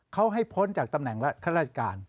เขาให้พ้นจากตำแหน่งข้าราชการ